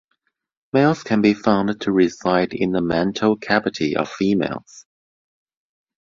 Males can be found to reside in the mantle cavity of females.